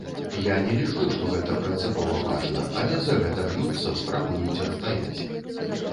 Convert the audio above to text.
Я не лічу, што гэта прынцыпова важна, але за гэта б'юцца, спрабуюць адстаяць.